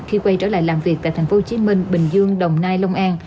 khi quay trở lại làm việc tại thành phố hồ chí minh bình dương đồng nai lông an